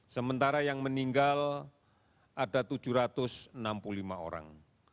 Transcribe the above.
sementara yang meninggal ada tujuh ratus enam puluh lima orang